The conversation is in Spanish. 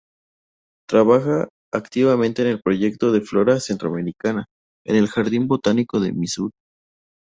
Trabaja activamente en el Proyecto de Flora centroamericana, en el Jardín botánico de Missouri.